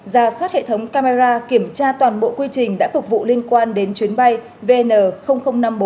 ra soát hệ thống camera kiểm tra toàn bộ quy trình đã phục vụ liên quan đến chuyến bay vn năm mươi bốn